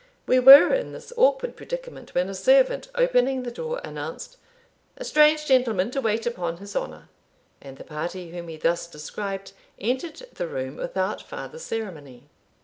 We were in this awkward predicament when a servant, opening the door, announced, "A strange gentleman to wait upon his honour;" and the party whom he thus described entered the room without farther ceremony.